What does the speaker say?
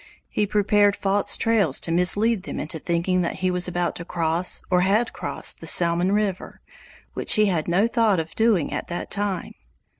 He prepared false trails to mislead them into thinking that he was about to cross or had crossed the Salmon River, which he had no thought of doing at that time.